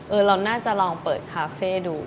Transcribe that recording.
เราน่าจะลองเปิดคาเฟ่ดู